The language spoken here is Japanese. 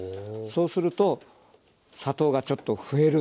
そうすると砂糖がちょっと増えるんですよ。